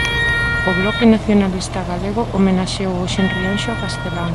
O Bloque Nacionalista Galego homenaxeou hoxe en Rianxo a Castelao.